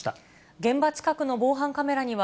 現場近くの防犯カメラには、